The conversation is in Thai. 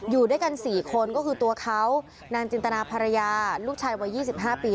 อยู่ด้วยกัน๔คนก็คือตัวเขานางจินตนาภรรยาลูกชายวัย๒๕ปี